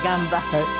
はい。